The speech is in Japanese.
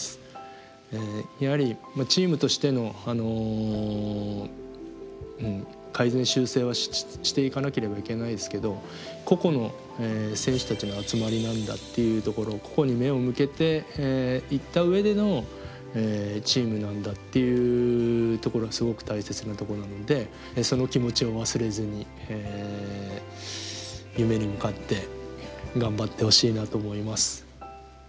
やはりチームとしての改善修正はしていかなければいけないですけど個々の選手たちの集まりなんだっていうところ個々に目を向けていった上でのチームなんだっていうところはすごく大切なところなのでその気持ちを忘れずに夢に向かって頑張ってほしいなと思います。